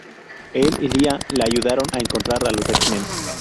Él y Lila la ayudaron a encontrara a los X-Men.